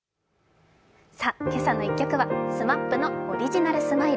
「けさの１曲」はＳＭＡＰの「オリジナルスマイル」。